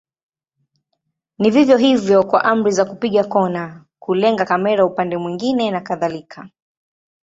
Ni vivyo hivyo kwa amri za kupiga kona, kulenga kamera upande mwingine na kadhalika.